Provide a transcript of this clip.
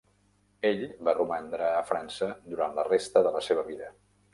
Ell va romandre a França durant la resta de la seva vida.